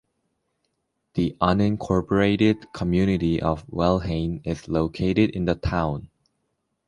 The unincorporated community of Walhain is located in the town.